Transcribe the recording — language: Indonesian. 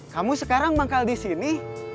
kamu sekarang manggal disini